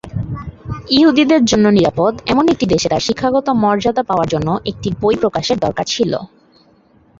ইহুদীদের জন্য নিরাপদ এমন একটি দেশে তার শিক্ষাগত মর্যাদা পাওয়ার জন্য একটি বই প্রকাশের দরকার ছিলো।